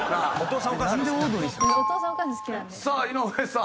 さあ井上さん。